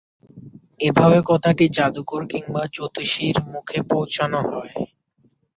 এভাবে কথাটি জাদুকর কিংবা জ্যোতিষীর মুখে পৌঁছানো হয়।